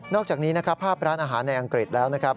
อกจากนี้นะครับภาพร้านอาหารในอังกฤษแล้วนะครับ